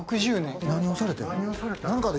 何をされてん？